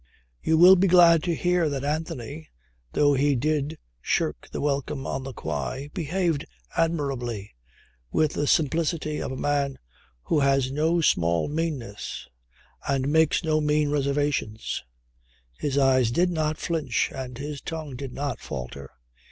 You will be glad to hear that Anthony, though he did shirk the welcome on the quay, behaved admirably, with the simplicity of a man who has no small meannesses and makes no mean reservations. His eyes did not flinch and his tongue did not falter.